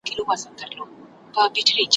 په ویالو کي یې د وینو سېل بهیږي `